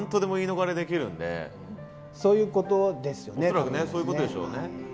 恐らくそういうことでしょうね。